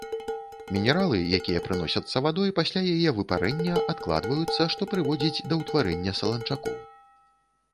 Мінералы, якія прыносяцца вадой, пасля яе выпарэння адкладваюцца, што прыводзіць да ўтварэння саланчакоў.